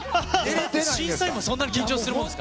審査員もそんなに緊張するもんですか。